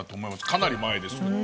かなり前ですけど。